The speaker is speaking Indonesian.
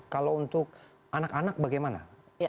kalau untuk anak anak bagaimana